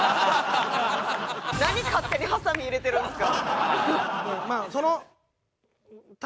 何勝手にはさみ入れてるんですか？